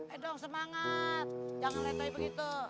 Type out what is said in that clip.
eh dong semangat jangan letoy begitu